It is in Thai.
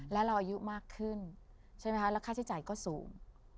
แล้วเราอายุมากขึ้นใช่ไหมคะแล้วค่าใช้จ่ายก็สูง